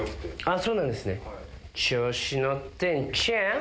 そうなんですね。